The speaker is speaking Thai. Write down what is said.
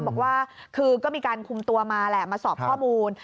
บอกว่าคือก็มีการคุมตัวมาแหละมาสอบข้อมูล